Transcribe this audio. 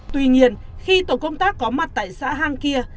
tuy nhiên khi tổ công tác có mặt tại xã hang kia